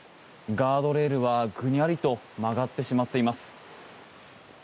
ガードレールはぐにゃりと曲がってしまっています。